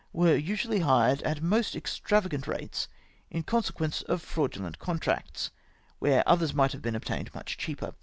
were usually hired at most extravagant rates, in consequence of fraudulent contracts, where others might have been obtained much cheaper.